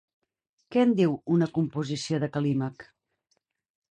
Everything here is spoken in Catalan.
Què en diu una composició de Cal·límac?